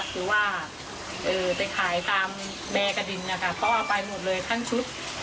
เพราะเอาไปหมดเลยทั้งชุด